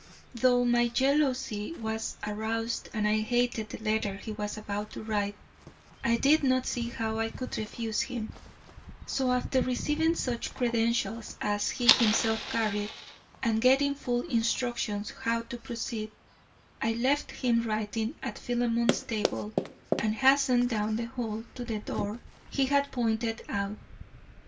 Though my jealousy was aroused and I hated the letter he was about to write, I did not see how I could refuse him; so after receiving such credentials as he himself carried, and getting full instructions how to proceed, I left him writing at Philemon's table and hastened down the hall to the door he had pointed out.